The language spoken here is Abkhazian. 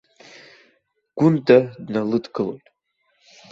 Гәында дналыдгылоит.